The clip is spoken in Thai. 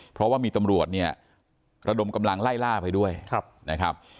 เพราะว่ามีตำรวจเนี่ยระดมกำลังไล่ล่าไปด้วยนะครับ